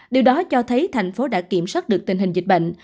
điều đó cho thấy thành phố đã kiểm soát được tình hình dịch bệnh